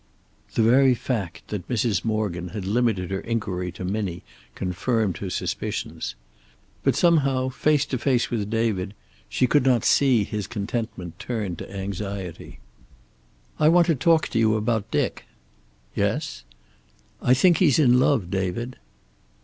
The very fact that Mrs. Morgan had limited her inquiry to Minnie confirmed her suspicions. But somehow, face to face with David, she could not see his contentment turned to anxiety. "I want to talk to you about Dick." "Yes?" "I think he's in love, David."